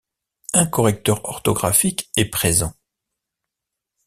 Un correcteur orthographique est présent.